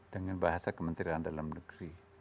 dengan bahasa kementerian dalam negeri